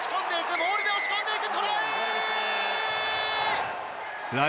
モールで押し込んでいく。